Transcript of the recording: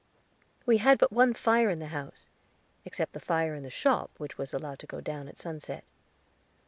We had but one fire in the house, except the fire in the shop, which was allowed to go down at sunset.